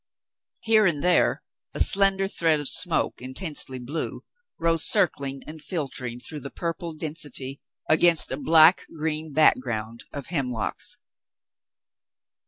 Here and there a slender thread of smoke, intensely blue, rose circling and filtering through the purple density against a black green background of hemlocks.